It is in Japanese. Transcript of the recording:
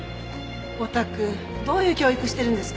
お宅どういう教育してるんですか？